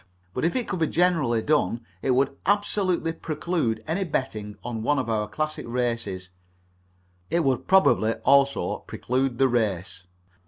But if it could be generally done, it would absolutely preclude any betting on one of our classic races; it would probably also preclude the race.